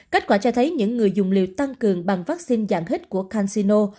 kết quả cho thấy những người dùng liều tăng cường bằng vaccine dạng hít của cansino